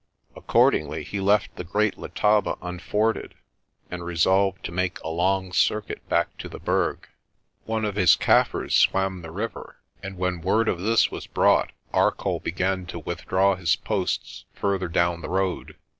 Accordingly he left the Great Letaba unforded, and resolved to make a long circuit back to the Berg. One of his Kaffirs swam the river, and when word of this was brought Arcoll began to withdraw his posts fur ther down the road.